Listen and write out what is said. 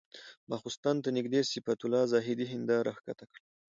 ماخستن ته نږدې صفت الله زاهدي هنداره ښکته کړه.